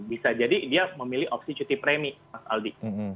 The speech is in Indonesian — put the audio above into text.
bisa jadi dia memilih opsi cuti premi mas aldi